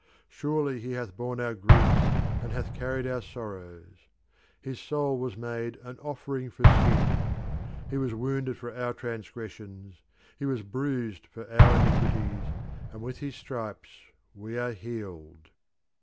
Surely he hath borne our griefs and hath carried our sorrows. His soul was made an offering for sin. He was wounded for our transgressions, he was bruised for our iniquities, and with his stripes we are healed."